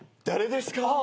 誰ですか？